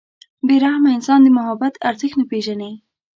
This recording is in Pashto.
• بې رحمه انسان د محبت ارزښت نه پېژني.